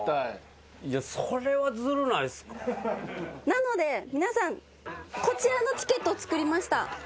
なので皆さんこちらのチケットを作りました。